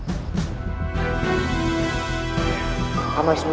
maka anda perhatikan atuh